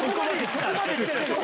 そこまでいってる！